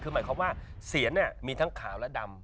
คือหมายความว่าเสียนมีทั้งขาวและดำ